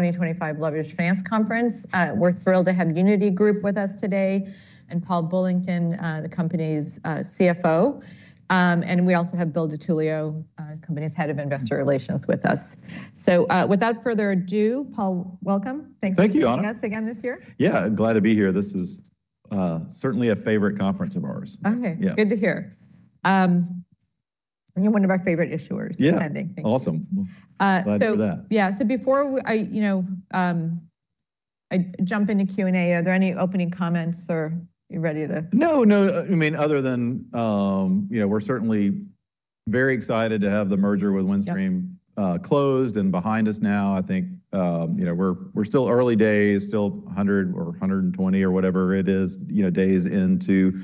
2025 leverage finance conference. We're thrilled to have Uniti Group with us today, and Paul Bullington, the company's CFO. We also have Bill DiTullio, the company's Head of Investor Relations, with us. Without further ado, Paul, welcome. Thanks for joining us again this year. Thank you Ana. Yeah, glad to be here. This is certainly a favorite conference of ours. Okay, good to hear. You're one of our favorite issuers of pending things. Yeah, awesome. Glad to hear that. Yeah. Before I jump into Q&A, are there any opening comments or are you ready to? No, no. I mean, other than we're certainly very excited to have the merger with Windstream closed and behind us now. I think we're still early days, still 100 or 120 or whatever it is, days into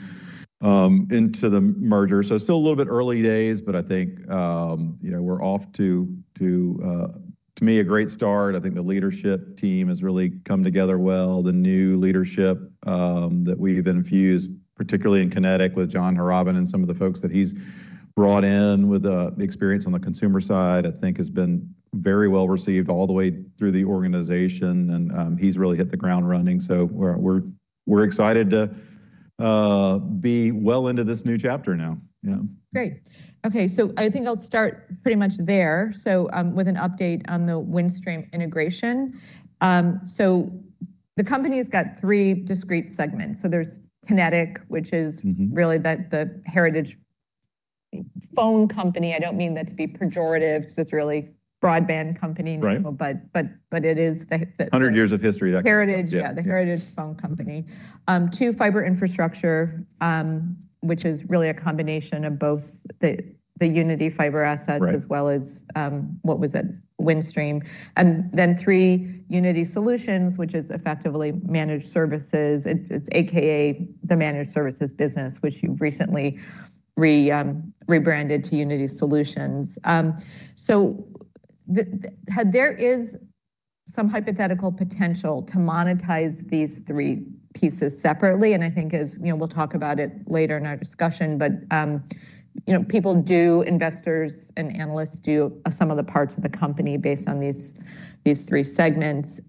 the merger. Still a little bit early days, but I think we're off to, to me, a great start. I think the leadership team has really come together well. The new leadership that we've infused, particularly in Kinetic with John Harrobin and some of the folks that he's brought in with the experience on the consumer side, I think has been very well received all the way through the organization. He's really hit the ground running. We are excited to be well into this new chapter now. Great. Okay. I think I'll start pretty much there, with an update on the Windstream integration. The company has got three discrete segments. There's Kinetic, which is really the heritage phone company. I don't mean that to be pejorative because it's really a broadband company now, but it is the. 100 years of history. Heritage, yeah, the heritage phone company. Two, fiber infrastructure, which is really a combination of both the Uniti Fiber assets as well as, what was it, Windstream. Three, Uniti Solutions, which is effectively managed services. It's a.k.a. the managed services business, which you've recently rebranded to Uniti Solutions. There is some hypothetical potential to monetize these three pieces separately. I think we'll talk about it later in our discussion. People do, investors and analysts do some of the parts of the company based on these three segments.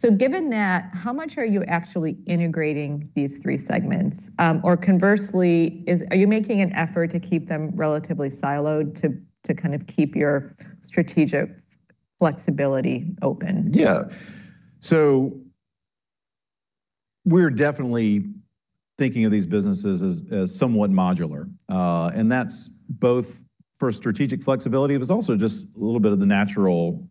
Given that, how much are you actually integrating these three segments? Or conversely, are you making an effort to keep them relatively siloed to kind of keep your strategic flexibility open? Yeah. We're definitely thinking of these businesses as somewhat modular. That's both for strategic flexibility, but it's also just a little bit of the natural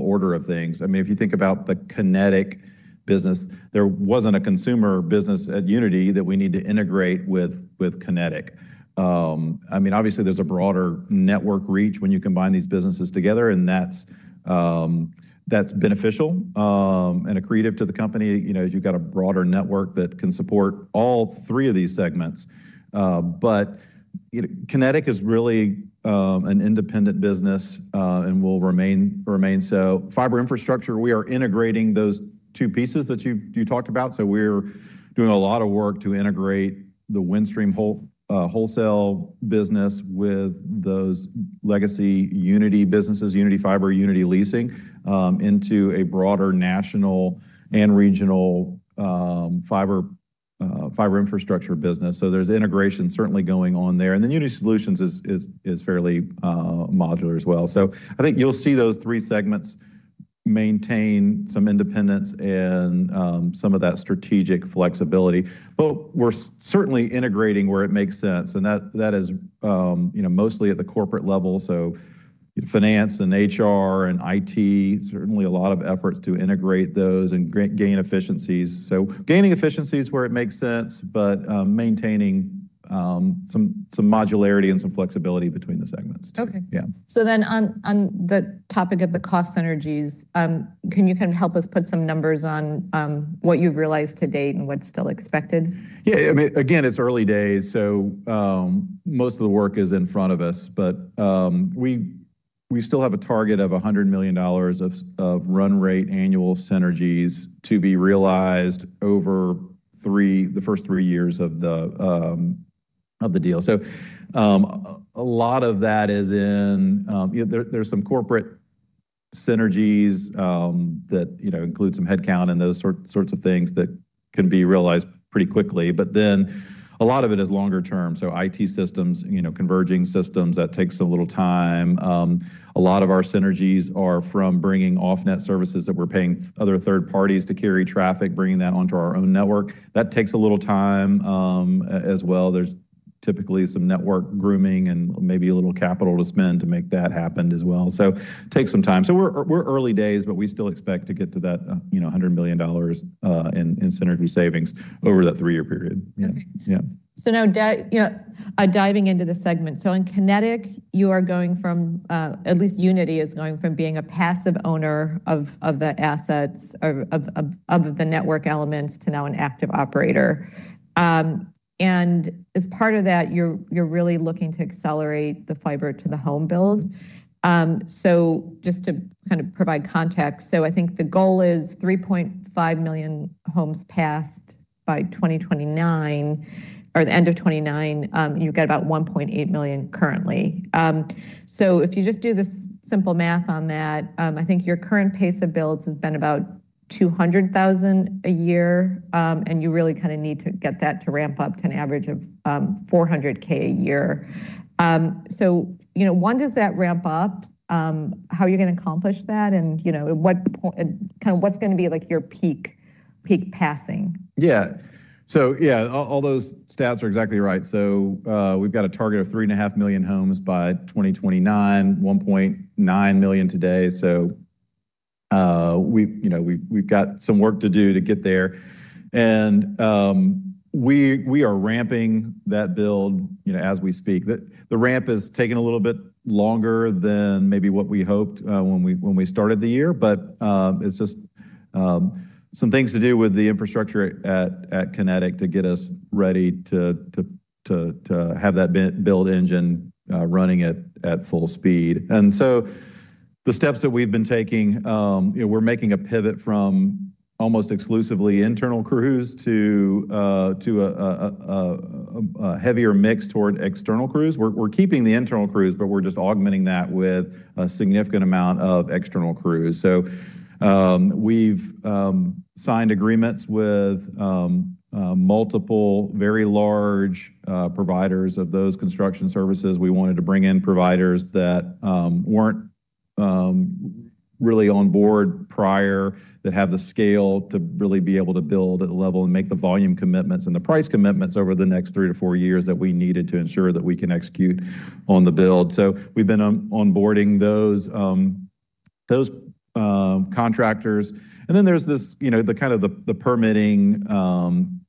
order of things. I mean, if you think about the Kinetic business, there wasn't a consumer business at Uniti that we need to integrate with Kinetic. I mean, obviously, there's a broader network reach when you combine these businesses together, and that's beneficial and accretive to the company. You've got a broader network that can support all three of these segments. Kinetic is really an independent business and will remain so. Fiber infrastructure, we are integrating those two pieces that you talked about. We're doing a lot of work to integrate the Windstream wholesale business with those legacy Uniti businesses, Uniti Fiber, Uniti Leasing, into a broader national and regional fiber infrastructure business. There's integration certainly going on there. Uniti Solutions is fairly modular as well. I think you'll see those three segments maintain some independence and some of that strategic flexibility. We're certainly integrating where it makes sense. That is mostly at the corporate level. Finance and HR and IT, certainly a lot of efforts to integrate those and gain efficiencies. Gaining efficiencies where it makes sense, but maintaining some modularity and some flexibility between the segments. Okay. On the topic of the cost synergies, can you kind of help us put some numbers on what you've realized to date and what's still expected? Yeah. I mean, again, it's early days. Most of the work is in front of us. We still have a target of $100 million of run rate annual synergies to be realized over the first three years of the deal. A lot of that is in, there's some corporate synergies that include some headcount and those sorts of things that can be realized pretty quickly. A lot of it is longer term. IT systems, converging systems, that takes a little time. A lot of our synergies are from bringing off-net services that we're paying other third parties to carry traffic, bringing that onto our own network. That takes a little time as well. There's typically some network grooming and maybe a little capital to spend to make that happen as well. It takes some time. We're early days, but we still expect to get to that $100 million in synergy savings over that three-year period. Yeah. Now diving into the segment. In Kinetic, you are going from, at least Uniti is going from being a passive owner of the assets of the network elements to now an active operator. As part of that, you're really looking to accelerate the fiber-to-the-home build. Just to kind of provide context, I think the goal is 3.5 million homes passed by 2029, or the end of 2029, you've got about 1.8 million currently. If you just do the simple math on that, I think your current pace of builds has been about 200,000 a year, and you really kind of need to get that to ramp up to an average of 400,000 a year. When does that ramp up? How are you going to accomplish that? Kind of what's going to be your peak passing? Yeah. So yeah, all those stats are exactly right. We've got a target of 3.5 million homes by 2029, 1.9 million today. We've got some work to do to get there. We are ramping that build as we speak. The ramp is taking a little bit longer than maybe what we hoped when we started the year. It is just some things to do with the infrastructure at Kinetic to get us ready to have that build engine running at full speed. The steps that we've been taking, we're making a pivot from almost exclusively internal crews to a heavier mix toward external crews. We're keeping the internal crews, but we're just augmenting that with a significant amount of external crews. We've signed agreements with multiple very large providers of those construction services. We wanted to bring in providers that were not really on board prior, that have the scale to really be able to build at a level and make the volume commitments and the price commitments over the next three to four years that we needed to ensure that we can execute on the build. We have been onboarding those contractors. There is kind of the permitting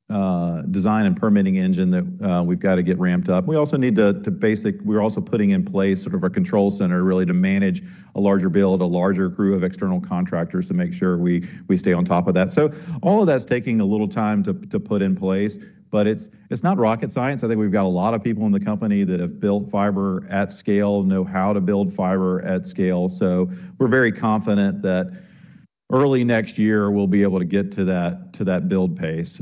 design and permitting engine that we have to get ramped up. We also need to basically—we are also putting in place sort of a control center really to manage a larger build, a larger crew of external contractors to make sure we stay on top of that. All of that is taking a little time to put in place, but it is not rocket science. I think we've got a lot of people in the company that have built fiber at scale, know how to build fiber at scale. We are very confident that early next year, we'll be able to get to that build pace.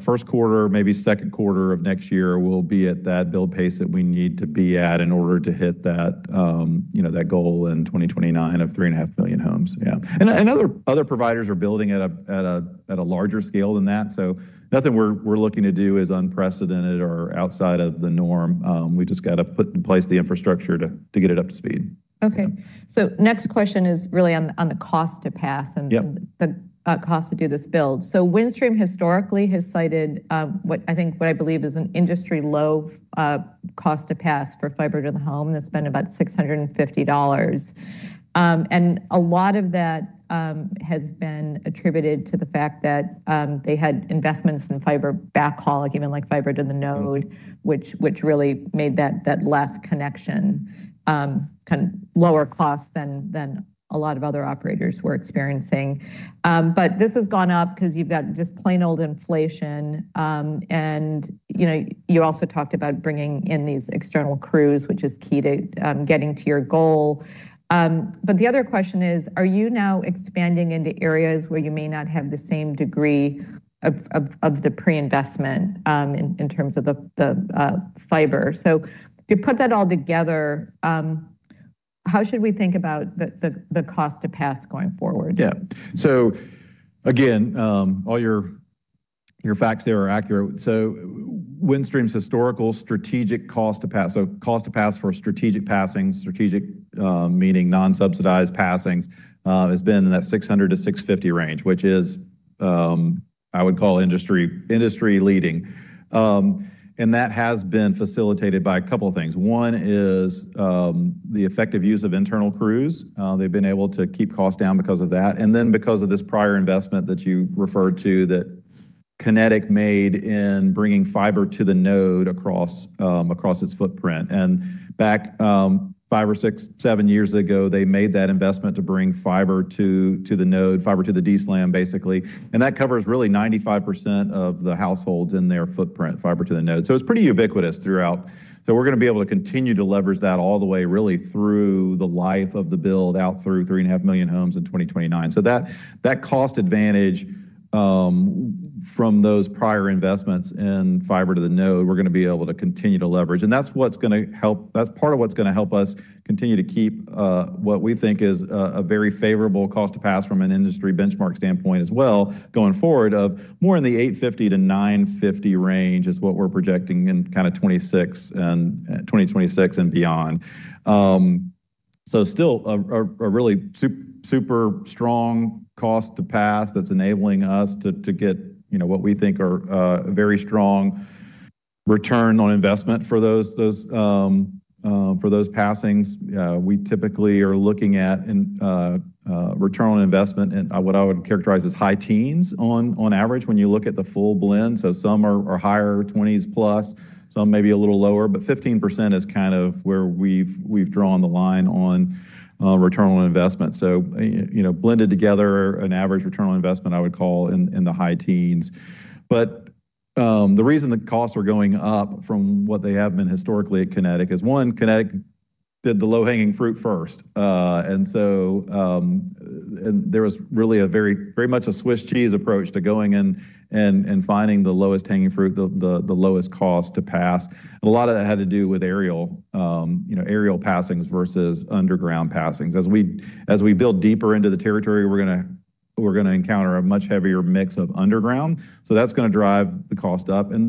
First quarter, maybe second quarter of next year, we'll be at that build pace that we need to be at in order to hit that goal in 2029 of 3.5 million homes. Yeah. Other providers are building at a larger scale than that. Nothing we're looking to do is unprecedented or outside of the norm. We just got to put in place the infrastructure to get it up to speed. Okay. Next question is really on the cost to pass and the cost to do this build. Windstream historically has cited what I think, what I believe is an industry low cost to pass for fiber-to-the-home. That has been about $650. A lot of that has been attributed to the fact that they had investments in fiber backhaul, even like fiber-to-the-node, which really made that last connection kind of lower cost than a lot of other operators were experiencing. This has gone up because you have just plain old inflation. You also talked about bringing in these external crews, which is key to getting to your goal. The other question is, are you now expanding into areas where you may not have the same degree of the pre-investment in terms of the fiber? If you put that all together, how should we think about the cost to pass going forward? Yeah. So again, all your facts there are accurate. Windstream's historical strategic cost to pass, so cost to pass for strategic passings, strategic meaning non-subsidized passings, has been in that $600-$650 range, which is, I would call, industry leading. That has been facilitated by a couple of things. One is the effective use of internal crews. They've been able to keep costs down because of that. Then because of this prior investment that you referred to that Kinetic made in bringing fiber to the node across its footprint. Back five or six, seven years ago, they made that investment to bring fiber to the node, fiber to the DSLAM, basically. That covers really 95% of the households in their footprint, fiber to the node. It's pretty ubiquitous throughout. We're going to be able to continue to leverage that all the way really through the life of the build out through 3.5 million homes in 2029. That cost advantage from those prior investments in fiber to the node, we're going to be able to continue to leverage. That's what's going to help, that's part of what's going to help us continue to keep what we think is a very favorable cost to pass from an industry benchmark standpoint as well going forward of more in the $850-$950 range is what we're projecting in kind of 2026 and beyond. Still a really super strong cost to pass that's enabling us to get what we think are a very strong return on investment for those passings. We typically are looking at return on investment and what I would characterize as high teens on average when you look at the full blend. Some are higher, 20%+, some maybe a little lower, but 15% is kind of where we've drawn the line on return on investment. Blended together, an average return on investment I would call in the high teens. The reason the costs are going up from what they have been historically at Kinetic is, one, Kinetic did the low hanging fruit first. There was really a very much a Swiss cheese approach to going and finding the lowest hanging fruit, the lowest cost to pass. A lot of that had to do with aerial passings versus underground passings. As we build deeper into the territory, we're going to encounter a much heavier mix of underground. That's going to drive the cost up. Like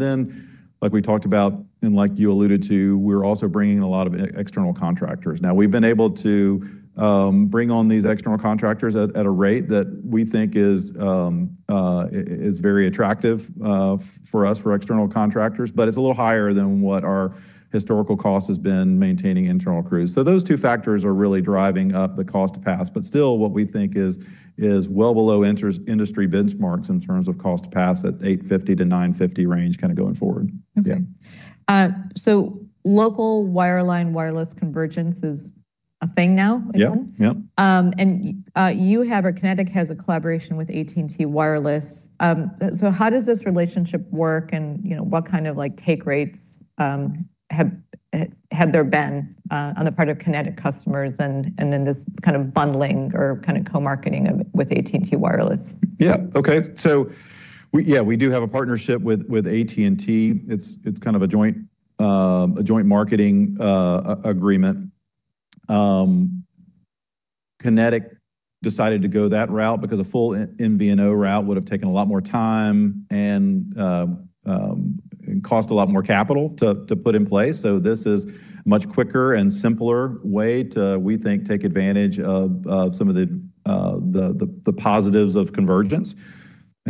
we talked about, and like you alluded to, we're also bringing in a lot of external contractors. Now, we've been able to bring on these external contractors at a rate that we think is very attractive for us for external contractors, but it's a little higher than what our historical cost has been maintaining internal crews. Those two factors are really driving up the cost to pass. Still, what we think is well below industry benchmarks in terms of cost to pass at the $850-$950 range going forward. Okay. So local wireline wireless convergence is a thing now? Yeah. Yeah. You have or Kinetic has a collaboration with AT&T Wireless. How does this relationship work and what kind of take rates have there been on the part of Kinetic customers and then this kind of bundling or kind of co-marketing with AT&T Wireless? Yeah. Okay. So yeah, we do have a partnership with AT&T. It's kind of a joint marketing agreement. Kinetic decided to go that route because a full MVNO route would have taken a lot more time and cost a lot more capital to put in place. This is a much quicker and simpler way to, we think, take advantage of some of the positives of convergence.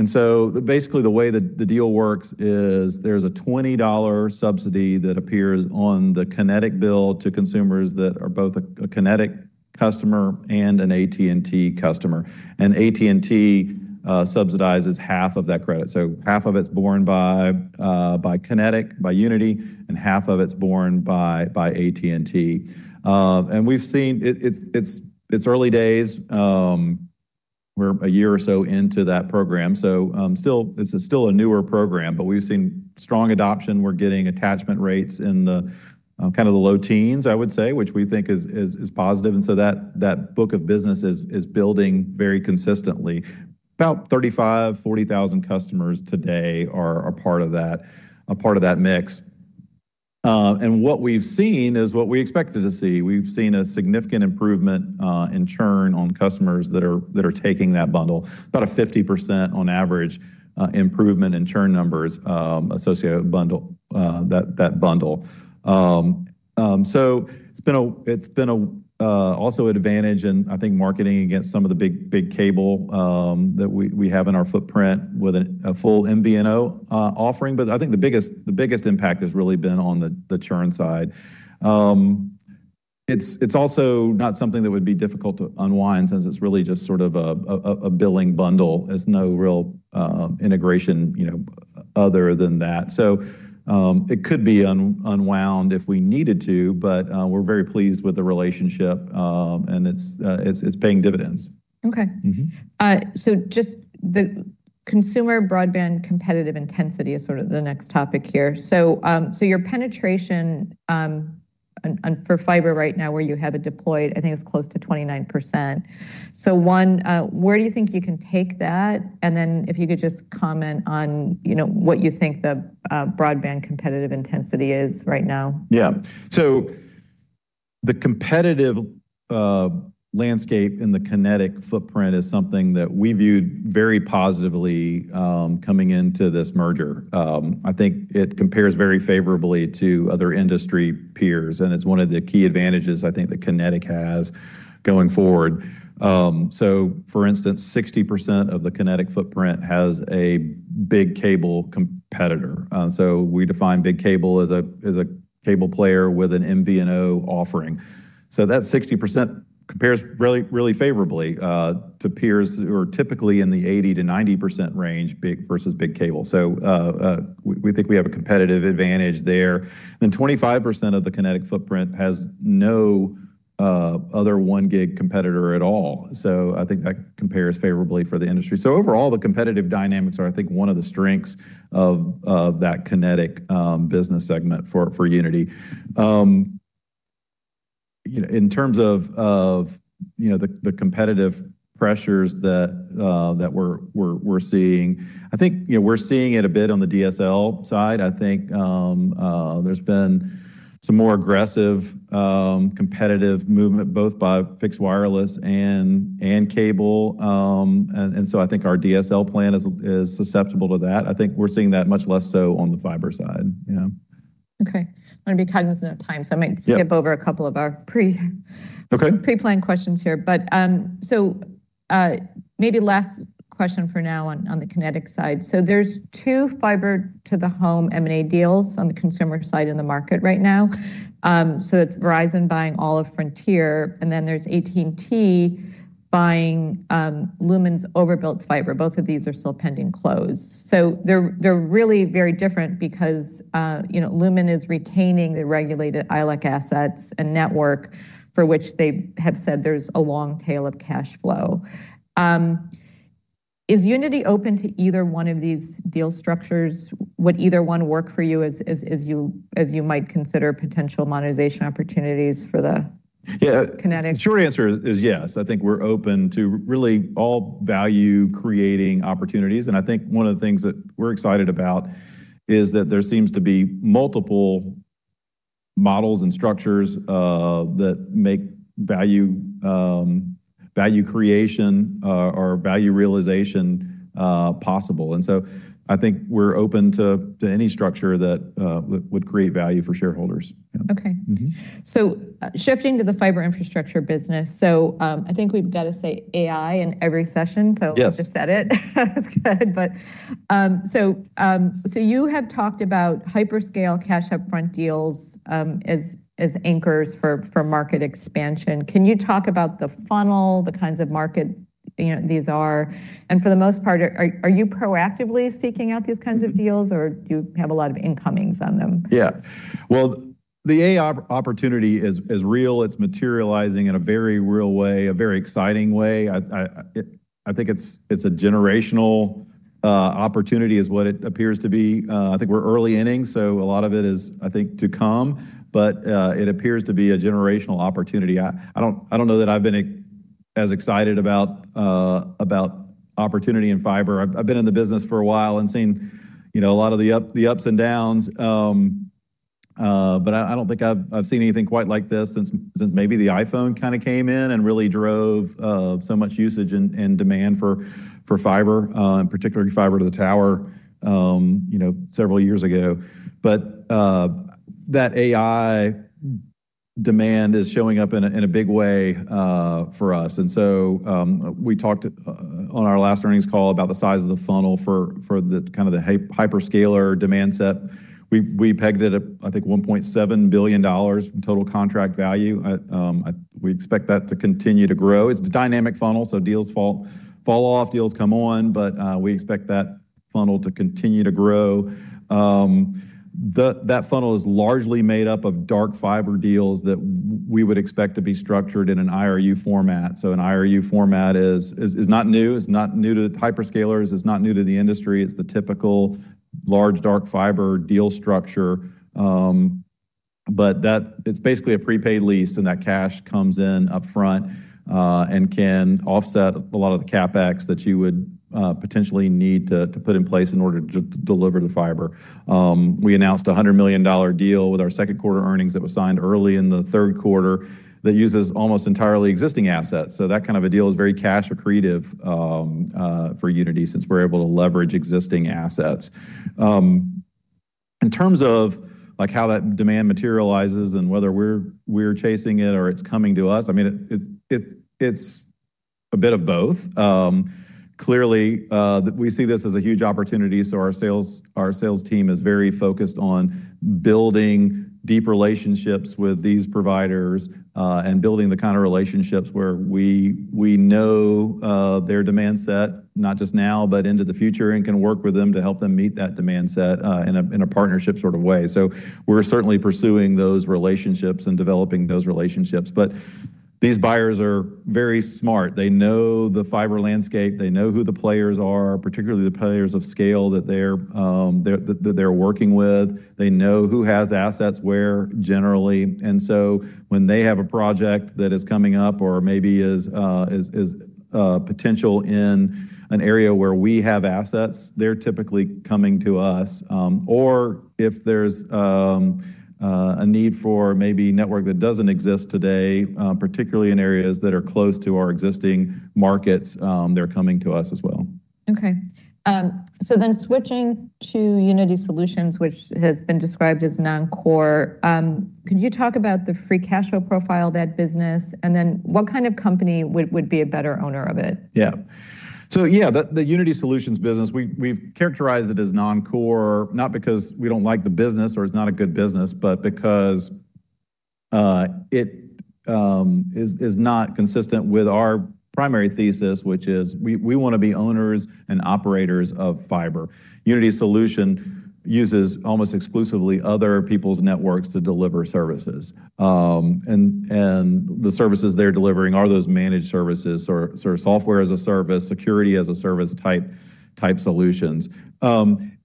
Basically, the way that the deal works is there's a $20 subsidy that appears on the Kinetic bill to consumers that are both a Kinetic customer and an AT&T customer. AT&T subsidizes half of that credit. Half of it's borne by Kinetic, by Uniti, and half of it's borne by AT&T. We've seen it's early days. We're a year or so into that program. It's still a newer program, but we've seen strong adoption. We're getting attachment rates in the kind of the low teens, I would say, which we think is positive. That book of business is building very consistently. About 35,000-40,000 customers today are part of that mix. What we've seen is what we expected to see. We've seen a significant improvement in churn on customers that are taking that bundle, about a 50% on average improvement in churn numbers associated with that bundle. It has also been an advantage, and I think marketing against some of the big cable that we have in our footprint with a full MVNO offering. I think the biggest impact has really been on the churn side. It's also not something that would be difficult to unwind since it's really just sort of a billing bundle. There's no real integration other than that. It could be unwound if we needed to, but we're very pleased with the relationship, and it's paying dividends. Okay. Just the consumer broadband competitive intensity is sort of the next topic here. Your penetration for fiber right now, where you have it deployed, I think it's close to 29%. Where do you think you can take that? If you could just comment on what you think the broadband competitive intensity is right now. Yeah. The competitive landscape in the Kinetic footprint is something that we viewed very positively coming into this merger. I think it compares very favorably to other industry peers, and it's one of the key advantages I think that Kinetic has going forward. For instance, 60% of the Kinetic footprint has a big cable competitor. We define big cable as a cable player with an MVNO offering. That 60% compares really favorably to peers who are typically in the 80%-90% range, big versus big cable. We think we have a competitive advantage there. 25% of the Kinetic footprint has no other 1 Gb competitor at all. I think that compares favorably for the industry. Overall, the competitive dynamics are, I think, one of the strengths of that Kinetic business segment for Uniti. In terms of the competitive pressures that we're seeing, I think we're seeing it a bit on the DSL side. I think there's been some more aggressive competitive movement both by fixed wireless and cable. I think our DSL plan is susceptible to that. I think we're seeing that much less so on the fiber side. Yeah. Okay. I want to be cognizant of time, so I might skip over a couple of our pre-planned questions here. Maybe last question for now on the Kinetic side. There are two fiber-to-the-home M&A deals on the consumer side in the market right now. That is Verizon buying all of Frontier, and then there is AT&T buying Lumen's overbuilt fiber. Both of these are still pending close. They are really very different because Lumen is retaining the regulated ILEC assets and network for which they have said there is a long tail of cash flow. Is Uniti open to either one of these deal structures? Would either one work for you as you might consider potential monetization opportunities for the Kinetic? Yeah. Short answer is yes. I think we're open to really all value-creating opportunities. I think one of the things that we're excited about is that there seems to be multiple models and structures that make value creation or value realization possible. I think we're open to any structure that would create value for shareholders. Yeah. Okay. Shifting to the fiber infrastructure business. I think we've got to say AI in every session. Just said it. That's good. You have talked about hyperscale cash upfront deals as anchors for market expansion. Can you talk about the funnel, the kinds of market these are? For the most part, are you proactively seeking out these kinds of deals, or do you have a lot of incomings on them? Yeah. The AI opportunity is real. It's materializing in a very real way, a very exciting way. I think it's a generational opportunity is what it appears to be. I think we're early inning, so a lot of it is, I think, to come, but it appears to be a generational opportunity. I don't know that I've been as excited about opportunity in fiber. I've been in the business for a while and seen a lot of the ups and downs. I don't think I've seen anything quite like this since maybe the iPhone kind of came in and really drove so much usage and demand for fiber, particularly fiber to the tower several years ago. That AI demand is showing up in a big way for us. We talked on our last earnings call about the size of the funnel for the kind of the hyperscaler demand set. We pegged it at, I think, $1.7 billion in total contract value. We expect that to continue to grow. It's a dynamic funnel, so deals fall off, deals come on, but we expect that funnel to continue to grow. That funnel is largely made up of dark fiber deals that we would expect to be structured in an IRU format. An IRU format is not new. It's not new to hyperscalers. It's not new to the industry. It's the typical large dark fiber deal structure. It's basically a prepaid lease, and that cash comes in upfront and can offset a lot of the CapEx that you would potentially need to put in place in order to deliver the fiber. We announced a $100 million deal with our second quarter earnings that was signed early in the third quarter that uses almost entirely existing assets. That kind of a deal is very cash accretive for Uniti since we're able to leverage existing assets. In terms of how that demand materializes and whether we're chasing it or it's coming to us, I mean, it's a bit of both. Clearly, we see this as a huge opportunity. Our sales team is very focused on building deep relationships with these providers and building the kind of relationships where we know their demand set, not just now, but into the future and can work with them to help them meet that demand set in a partnership sort of way. We're certainly pursuing those relationships and developing those relationships. These buyers are very smart. They know the fiber landscape. They know who the players are, particularly the players of scale that they're working with. They know who has assets where generally. When they have a project that is coming up or maybe is potential in an area where we have assets, they're typically coming to us. If there's a need for maybe network that doesn't exist today, particularly in areas that are close to our existing markets, they're coming to us as well. Okay. Switching to Uniti Solutions, which has been described as non-core, could you talk about the free cash flow profile of that business? What kind of company would be a better owner of it? Yeah. So yeah, the Uniti Solutions business, we've characterized it as non-core, not because we don't like the business or it's not a good business, but because it is not consistent with our primary thesis, which is we want to be owners and operators of fiber. Uniti Solutions uses almost exclusively other people's networks to deliver services. The services they're delivering are those managed services, so software as a service, security as a service type solutions. It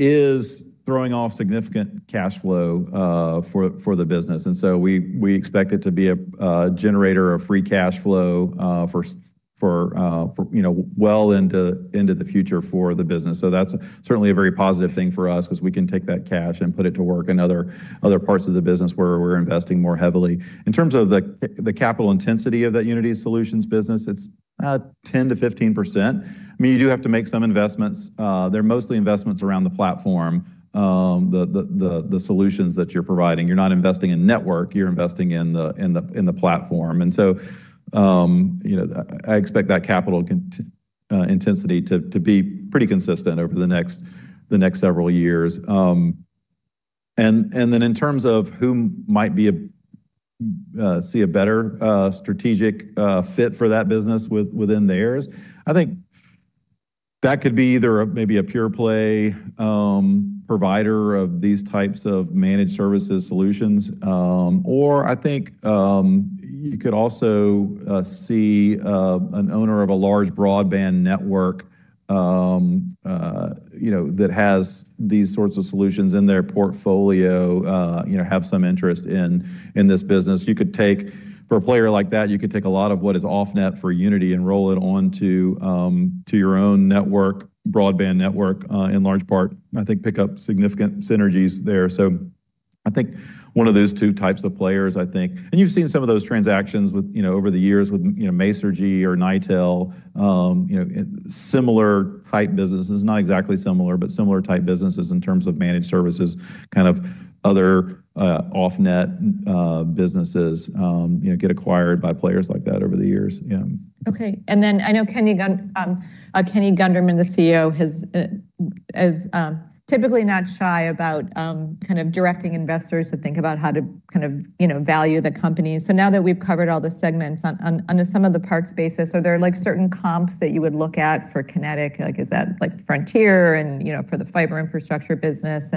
is throwing off significant cash flow for the business. We expect it to be a generator of free cash flow for well into the future for the business. That's certainly a very positive thing for us because we can take that cash and put it to work in other parts of the business where we're investing more heavily. In terms of the capital intensity of that Uniti Solutions business, it's about 10%-15%. I mean, you do have to make some investments. They're mostly investments around the platform, the solutions that you're providing. You're not investing in network. You're investing in the platform. I expect that capital intensity to be pretty consistent over the next several years. In terms of who might see a better strategic fit for that business within theirs, I think that could be either maybe a pure play provider of these types of managed services solutions, or I think you could also see an owner of a large broadband network that has these sorts of solutions in their portfolio have some interest in this business. For a player like that, you could take a lot of what is off-net for Uniti and roll it onto your own network, broadband network in large part. I think pick up significant synergies there. I think one of those two types of players, I think, and you've seen some of those transactions over the years with Masergy or Nitel, similar type businesses, not exactly similar, but similar type businesses in terms of managed services, kind of other off-net businesses get acquired by players like that over the years. Okay. I know Kenny Gunderman, the CEO, is typically not shy about kind of directing investors to think about how to kind of value the company. Now that we've covered all the segments on some of the parts basis, are there certain comps that you would look at for Kinetic? Is that Frontier and for the fiber infrastructure business?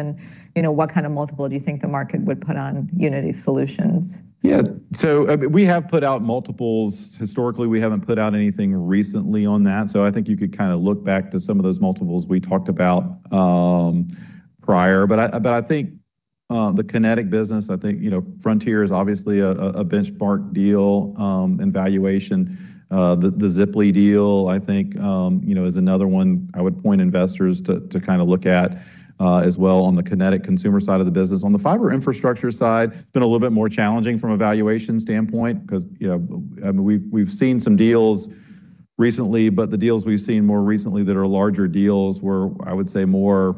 What kind of multiple do you think the market would put on Uniti Solutions? Yeah. We have put out multiples. Historically, we haven't put out anything recently on that. I think you could kind of look back to some of those multiples we talked about prior. I think the Kinetic business, I think Frontier is obviously a benchmark deal and valuation. The Ziply deal, I think, is another one I would point investors to kind of look at as well on the Kinetic consumer side of the business. On the fiber infrastructure side, it's been a little bit more challenging from a valuation standpoint because we've seen some deals recently, but the deals we've seen more recently that are larger deals were, I would say, more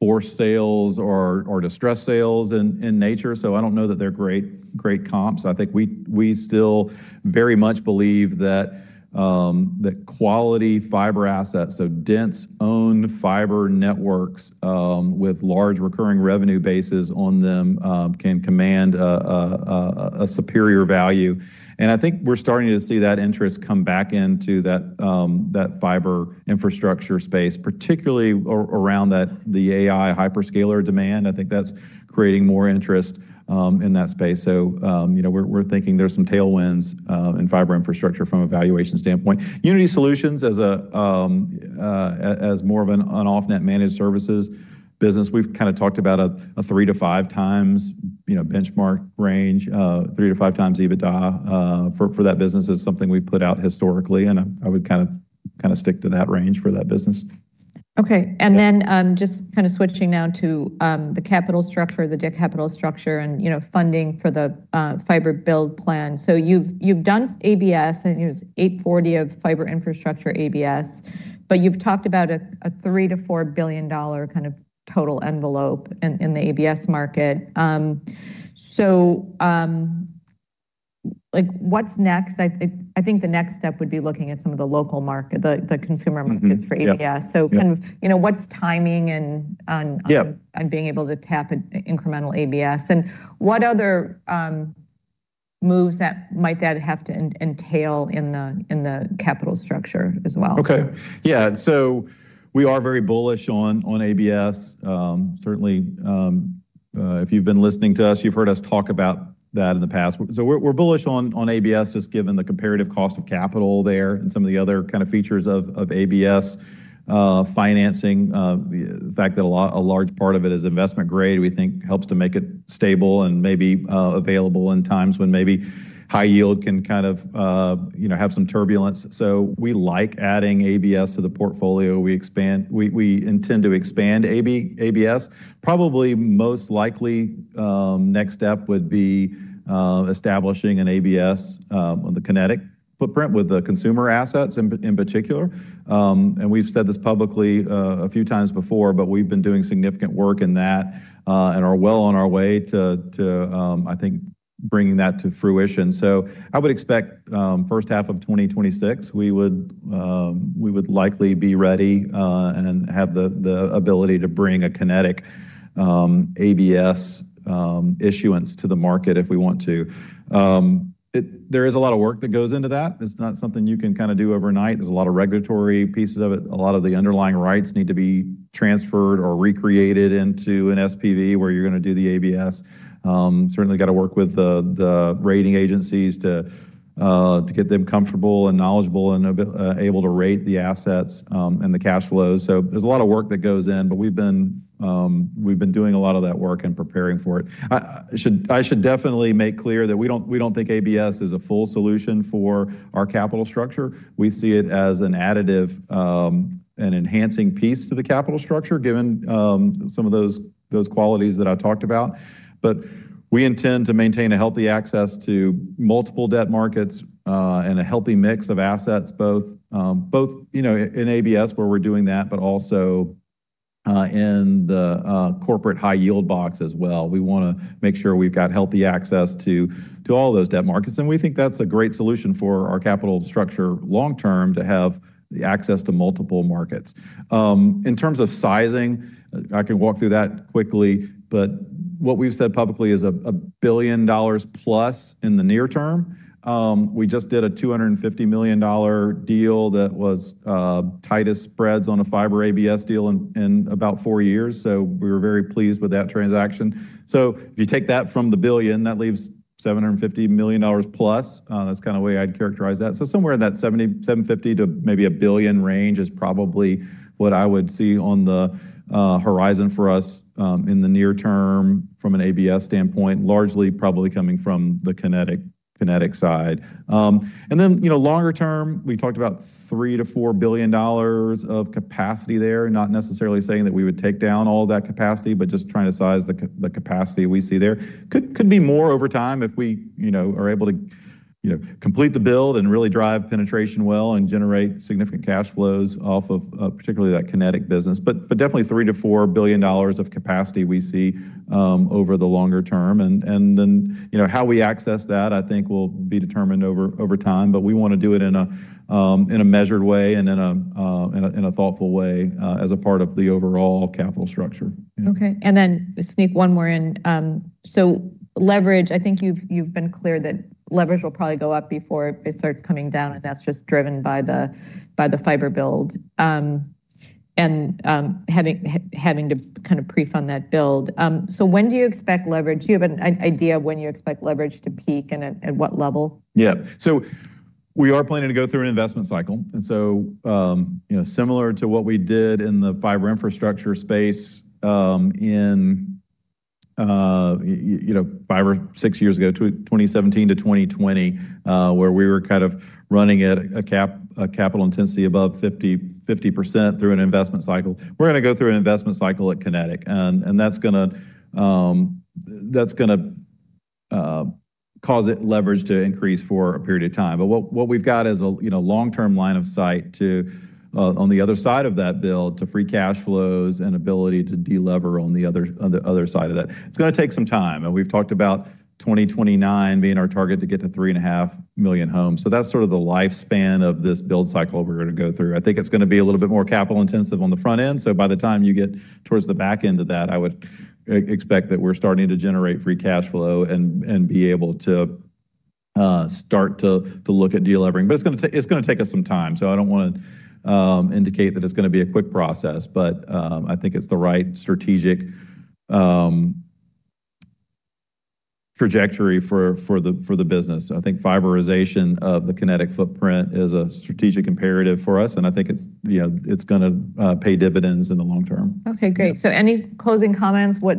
for sales or distress sales in nature. I don't know that they're great comps. I think we still very much believe that quality fiber assets, so dense owned fiber networks with large recurring revenue bases on them, can command a superior value. I think we're starting to see that interest come back into that fiber infrastructure space, particularly around the AI hyperscaler demand. I think that's creating more interest in that space. We're thinking there's some tailwinds in fiber infrastructure from a valuation standpoint. Uniti Solutions, as more of an off-net managed services business, we've kind of talked about a three- to five-times benchmark range, three- to five-times EBITDA for that business is something we've put out historically. I would kind of stick to that range for that business. Okay. Just kind of switching now to the capital structure, the capital structure and funding for the fiber build plan. You've done ABS, and it was $840 million of fiber infrastructure ABS, but you've talked about a $3 billion to $4 billion kind of total envelope in the ABS market. What's next? I think the next step would be looking at some of the local market, the consumer markets for ABS. Kind of what's timing and being able to tap incremental ABS? What other moves might that have to entail in the capital structure as well? Okay. Yeah. We are very bullish on ABS. Certainly, if you've been listening to us, you've heard us talk about that in the past. We are bullish on ABS just given the comparative cost of capital there and some of the other kind of features of ABS financing. The fact that a large part of it is investment grade, we think helps to make it stable and maybe available in times when maybe high yield can kind of have some turbulence. We like adding ABS to the portfolio. We intend to expand ABS. Probably most likely next step would be establishing an ABS on the Kinetic footprint with the consumer assets in particular. We've said this publicly a few times before, but we've been doing significant work in that and are well on our way to, I think, bringing that to fruition. I would expect first half of 2026, we would likely be ready and have the ability to bring a Kinetic ABS issuance to the market if we want to. There is a lot of work that goes into that. It's not something you can kind of do overnight. There's a lot of regulatory pieces of it. A lot of the underlying rights need to be transferred or recreated into an SPV where you're going to do the ABS. Certainly got to work with the rating agencies to get them comfortable and knowledgeable and able to rate the assets and the cash flows. There is a lot of work that goes in, but we've been doing a lot of that work and preparing for it. I should definitely make clear that we don't think ABS is a full solution for our capital structure. We see it as an additive and enhancing piece to the capital structure given some of those qualities that I talked about. We intend to maintain a healthy access to multiple debt markets and a healthy mix of assets, both in ABS where we're doing that, but also in the corporate high yield box as well. We want to make sure we've got healthy access to all those debt markets. We think that's a great solution for our capital structure long term to have access to multiple markets. In terms of sizing, I can walk through that quickly, but what we've said publicly is a billion dollars plus in the near term. We just did a $250 million deal that was tightest spreads on a fiber ABS deal in about four years. We were very pleased with that transaction. If you take that from the billion, that leaves $750 million +. That is kind of the way I would characterize that. Somewhere in that $750 million to maybe $1 billion range is probably what I would see on the horizon for us in the near term from an ABS standpoint, largely probably coming from the Kinetic side. Then longer term, we talked about $3 billion to $4 billion of capacity there, not necessarily saying that we would take down all of that capacity, but just trying to size the capacity we see there. It could be more over time if we are able to complete the build and really drive penetration well and generate significant cash flows off of particularly that Kinetic business. Definitely $3 billion to $4 billion of capacity we see over the longer term. How we access that, I think, will be determined over time, but we want to do it in a measured way and in a thoughtful way as a part of the overall capital structure. Okay. And then sneak one more in. Leverage, I think you've been clear that leverage will probably go up before it starts coming down, and that's just driven by the fiber build and having to kind of pre-fund that build. When do you expect leverage? Do you have an idea of when you expect leverage to peak and at what level? Yeah. We are planning to go through an investment cycle. Similar to what we did in the fiber infrastructure space six years ago, 2017 to 2020, where we were kind of running at a capital intensity above 50% through an investment cycle, we are going to go through an investment cycle at Kinetic. That is going to cause leverage to increase for a period of time. What we have is a long-term line of sight on the other side of that build to free cash flows and ability to delever on the other side of that. It is going to take some time. We have talked about 2029 being our target to get to three and a half million homes. That is sort of the lifespan of this build cycle we are going to go through. I think it's going to be a little bit more capital intensive on the front end. By the time you get towards the back end of that, I would expect that we're starting to generate free cash flow and be able to start to look at delevering. It's going to take us some time. I don't want to indicate that it's going to be a quick process, but I think it's the right strategic trajectory for the business. I think fiberization of the Kinetic footprint is a strategic imperative for us, and I think it's going to pay dividends in the long term. Okay. Great. Any closing comments? What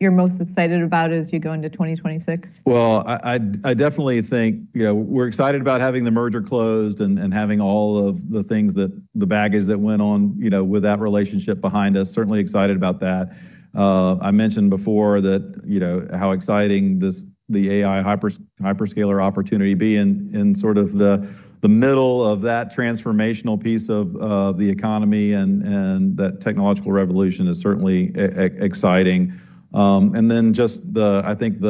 you're most excited about as you go into 2026? I definitely think we're excited about having the merger closed and having all of the things that the baggage that went on with that relationship behind us. Certainly excited about that. I mentioned before how exciting the AI hyperscaler opportunity being in sort of the middle of that transformational piece of the economy and that technological revolution is certainly exciting. I think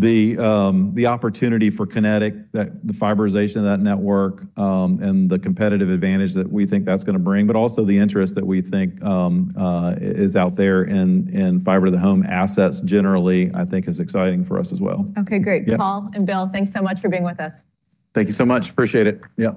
the opportunity for Kinetic, the fiberization of that network and the competitive advantage that we think that's going to bring, but also the interest that we think is out there in fiber to the home assets generally, I think is exciting for us as well. Okay. Great. Paul and Bill, thanks so much for being with us. Thank you so much. Appreciate it. Yeah.